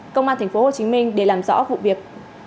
công an tp hcm để làm rõ vụ việc